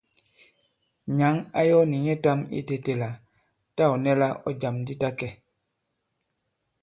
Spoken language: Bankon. Nyǎŋ ā yɔ̄ nì nyɛtām itētē la tâ ɔ̀ nɛ la ɔ̂ jàm di ta kɛ̀.